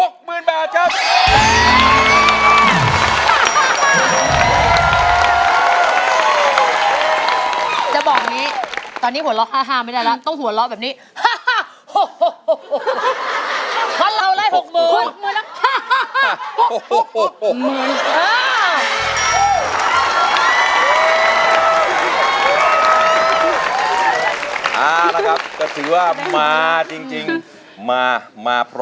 ถึงวันนี้ก็จะสามารถพบสุภาษณ์ของผู้ใช้มัน